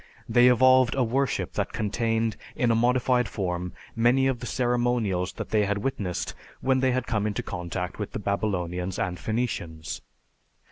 They evolved a worship that contained in a modified form many of the ceremonials that they witnessed when they came into contact with the Babylonians and Phoenicians.